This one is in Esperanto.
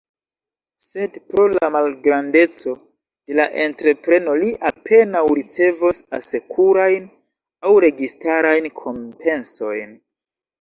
Sed pro la malgrandeco de la entrepreno, ili apenaŭ ricevos asekurajn aŭ registarajn kompensojn.